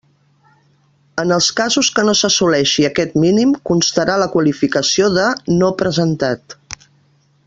En els casos que no s'assoleixi aquest mínim, constarà la qualificació de “No presentat”.